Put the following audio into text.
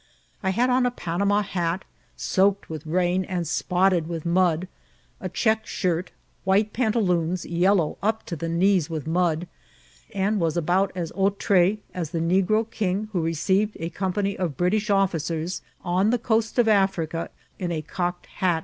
I had on a Panama hat, soaked with rain and spotted with mud, a check shirt, white panta loons, yellow up to the knees with mud, and was about as outr6 as the negro king who received a company of British officers on the coast of Africa in a cocked hat 19B INCIDINTS OF TRATSL.